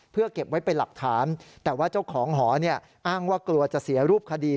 เพื่อเก็บไว้เป็นหลักฐานแต่ว่าเจ้าของหอเนี่ยอ้างว่ากลัวจะเสียรูปคดี